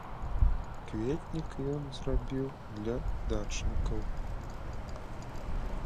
Кветнік ён зрабіў для дачнікаў.